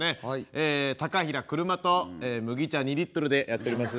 え比良くるまと麦茶２リットルでやっております。